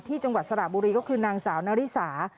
จังหวัดสระบุรีก็คือนางสาวนาริสา